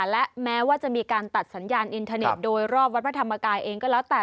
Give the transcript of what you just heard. และแม้ว่าจะมีการตัดสัญญาณอินเทอร์เน็ตโดยรอบวัดพระธรรมกายเองก็แล้วแต่